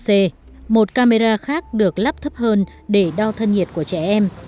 đây một camera khác được lắp thấp hơn để đo thân nhiệt của trẻ em